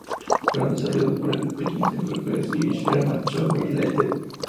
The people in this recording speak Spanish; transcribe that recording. Fueron desarrolladas por dos pequeños productores, Irish Emerald Software Ltd.